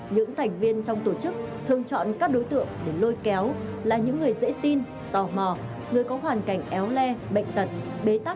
những thành viên trong tổ chức thường chọn các đối tượng để lôi kéo là những người dễ tin tò mò người có hoàn cảnh éo le bệnh tật bế tắc